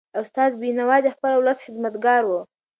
استاد بینوا د خپل ولس خدمتګار و.